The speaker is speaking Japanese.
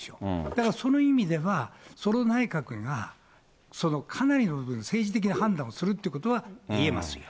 だからその意味では、その内閣がそのかなりの部分、政治的な判断をするということは言えますよ。